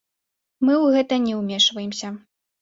Мы ў гэта не ўмешваемся.